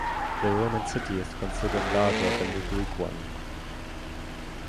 The Roman city is considerably larger than the Greek one.